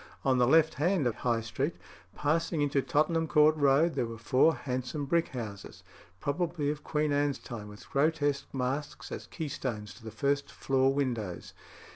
On the left hand of High Street, passing into Tottenham Court Road, there were four handsome brick houses, probably of Queen Anne's time, with grotesque masks as keystones to the first floor windows.